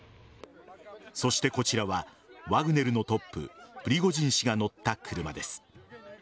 そしてこちらはワグネルのトッププリゴジン氏が乗った車です。